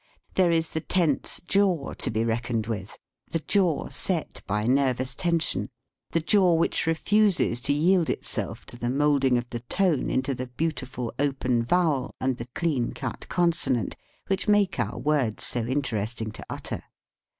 There is the tense jaw to be reckoned with the jaw set by nervous tension, the jaw which refuses to yield itself to the moulding of the tone into the beautiful open vowel and the clean cut consonant which make our words so interest ing to utter.